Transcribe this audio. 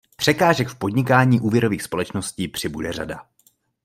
Překážek v podnikání úvěrových společností přibude řada.